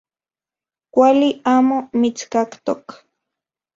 Kuali amo mitskaktok.